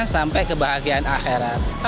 sampai kebahagiaan akhirat